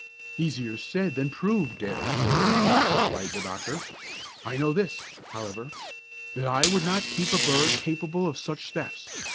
"Easier said than proved, dear sir," replied the doctor. "I know this, however, that I would not keep a bird capable of such thefts.